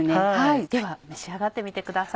では召し上がってみてください。